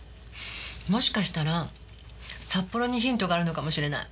もしかしたら札幌にヒントがあるのかもしれない。